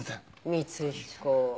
光彦。